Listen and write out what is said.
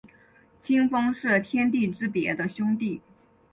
清风是天地之别的兄弟。